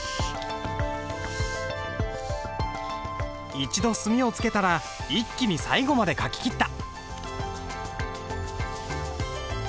一度墨をつけたら一気に最後まで書ききった。